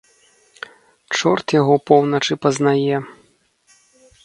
Чорт яго поўначы пазнае.